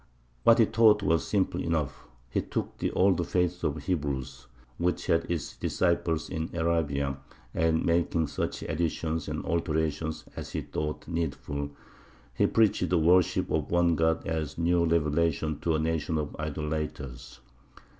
What he taught was simple enough. He took the old faith of the Hebrews, which had its disciples in Arabia, and, making such additions and alterations as he thought needful, he preached the worship of One God as a new revelation to a nation of idolaters.